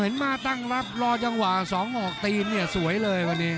มาตั้งรับรอจังหวะ๒ออกตีนเนี่ยสวยเลยวันนี้